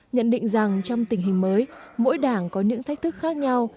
nhận định rằng trong tình hình mới mỗi đảng có những thách thức khác nhau